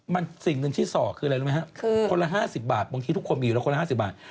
มันสิ่งหนึ่งที่ส่อคืออะไรรู้ไหมครับคนละ๕๐บาทบางทีทุกคนมีอยู่แล้วคนละ๕๐บาท